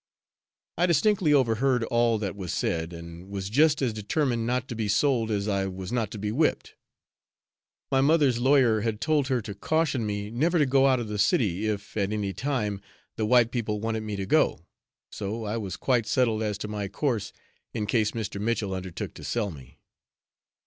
I distinctly overheard all that was said, and was just as determined not to be sold as I was not to be whipped. My mother's lawyer had told her to caution me never to go out of the city, if, at any time, the white people wanted me to go, so I was quite settled as to my course, in case Mr. Mitchell undertook to sell me.